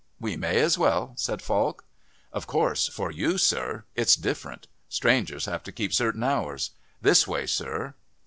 "We may as well," said Falk. "Of course for you, sir, it's different. Strangers have to keep certain hours. This way, sir."